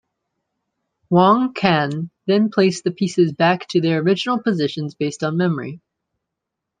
Wang Can then placed the pieces back to their original positions based on memory.